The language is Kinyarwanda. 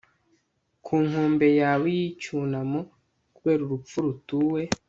ku nkombe yawe y'icyunamo, kubera urupfu rutuwe